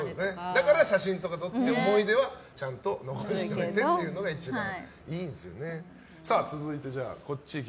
だから写真とか撮って思い出はちゃんと残しておいてっていうのが一番いいんですよね。